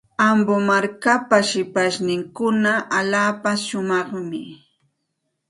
Ambo markapa shipashninkuna allaapa shumaqmi.